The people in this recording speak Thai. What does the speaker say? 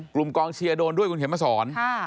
กลุ่มกองเชียร์โดนด้วยคุณเห็นมาสอน